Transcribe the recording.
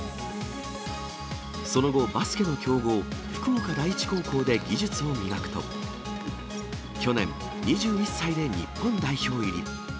その後、バスケの強豪、福岡第一高校で技術を磨くと、去年、２１歳で日本代表入り。